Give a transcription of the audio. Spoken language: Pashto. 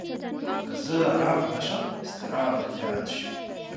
که زه ارامه نه شم، اضطراب به زیات شي.